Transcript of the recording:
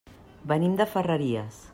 Venim de Ferreries.